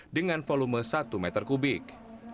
dengan volume satu meter kubik